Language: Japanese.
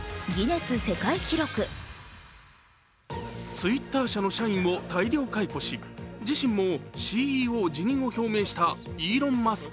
Ｔｗｉｔｔｅｒ社の社員を大量解雇し、自身もＣＥＯ辞任を表明したイーロン・マスク